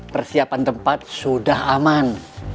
persiapan tempat sudah aman